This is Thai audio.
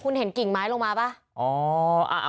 มันเห็นกิ่งไม้ลงมารึเปล่า